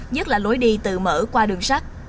nhất là lối đi tự mở qua đường sát